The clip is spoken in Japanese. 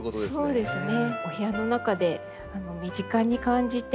そうですね。